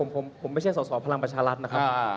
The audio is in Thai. ผมไม่ใช่สอสอพลังประชารัฐนะครับ